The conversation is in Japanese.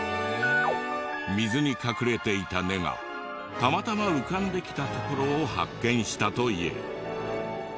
水に隠れていた根がたまたま浮かんできたところを発見したという。